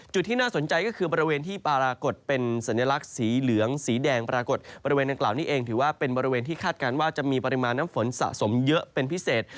ที่น่าสนใจก็คือบริเวณที่ปรากฏเป็นสัญลักษณ์สีเหลืองสีแดงปรากฏบริเวณดังกล่าวนี้เองถือว่าเป็นบริเวณที่คาดการณ์ว่าจะมีปริมาณน้ำฝนสะสมเยอะเป็นพิเศษ